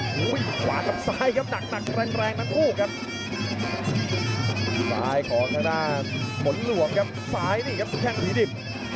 ซ้ายของทางหน้าฝนหลวงครับซ้ายนี่ครับแข่งผีดิบ